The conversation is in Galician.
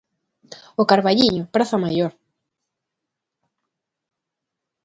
O Carballiño, Praza Maior.